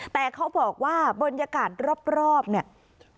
แต่เขาบอกว่าบรรยากาศรอบเนี่ย